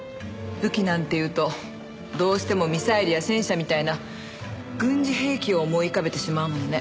武器なんていうとどうしてもミサイルや戦車みたいな軍事兵器を思い浮かべてしまうものね。